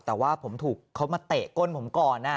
แต่ว่าผมถูกเขามาเตะก้นผมก่อน